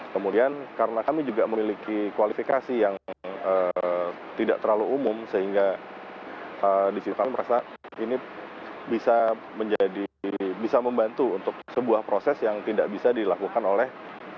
kemudian karena kami juga memiliki kualifikasi yang tidak terlalu umum sehingga disitu kami merasa ini bisa menjadi bisa membantu untuk sebuah proses yang tidak bisa dilakukan oleh